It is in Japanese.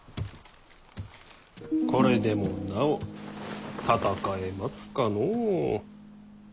これでもなお戦えますかのう。